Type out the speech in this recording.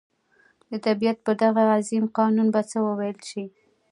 د طبعیت پر دغه عظیم قانون به څه وویل شي.